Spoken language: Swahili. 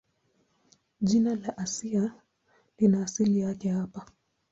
Jina la Asia lina asili yake hapa.